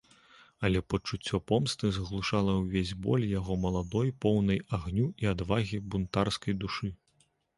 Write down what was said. Але пачуццё помсты заглушала ўвесь боль яго маладой, поўнай агню і адвагі, бунтарскай душы.